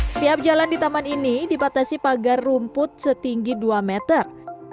setiap jalan di taman ini dipatasi pagar rumput setinggi dua meter